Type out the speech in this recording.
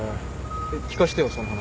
聞かせてよその話。